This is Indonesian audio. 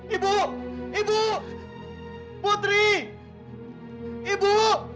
ibu ibu putri ibu